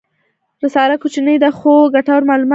رساله کوچنۍ ده خو ګټور معلومات لري.